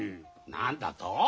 何だと？